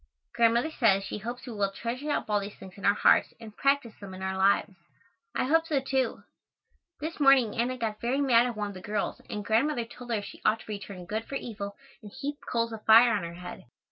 Grandmother says she hopes we will treasure up all these things in our hearts and practice them in our lives. I hope so, too. This morning Anna got very mad at one of the girls and Grandmother told her she ought to return good for evil and heap coals of fire on her head.